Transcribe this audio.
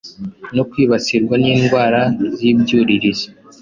no kwibasirwa n’indwara z’ibyuririzi.